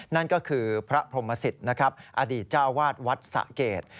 นั่นก็คือพระพรมสิตอดีตเจ้าวาดวัดสะเกด